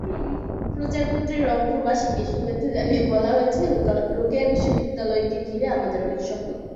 প্রচারপত্রে রংপুরবাসীকে শুভেচ্ছা জানিয়ে বলা হয়েছে, রোকেয়া বিশ্ববিদ্যালয়কে ঘিরে আমাদের অনেক স্বপ্ন।